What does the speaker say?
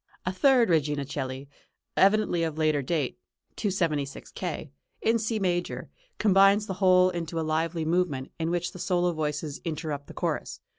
A third Regina coeli, evidently of later date (276 K.), in C major, combines the whole into a lively movement, in which the solo voices interrupt the chorus.